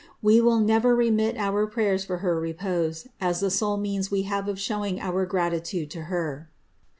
We will new remit our prayers for her repose, as the sole means we have of showing our gratitude to her.'